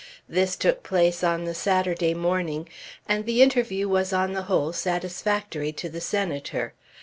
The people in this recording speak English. This took place on the Saturday morning and the interview was on the whole satisfactory to the Senator.